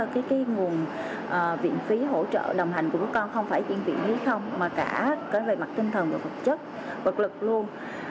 cái nguồn viện phí hỗ trợ đồng hành của bác con không phải chuyên viện như không mà cả về mặt tinh thần và vật chất vật lực luôn